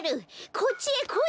こっちへこい！